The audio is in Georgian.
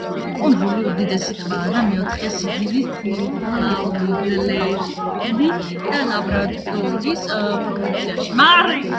კუნძულის უდიდესი ტბაა და მეოთხეა სიდიდით ნიუფაუნდლენდი და ლაბრადორის პროვინციაში.